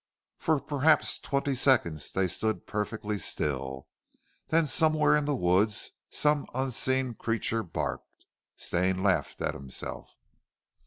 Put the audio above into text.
For perhaps twenty seconds they stood perfectly still, then somewhere in the wood some unseen creature barked. Stane laughed at himself.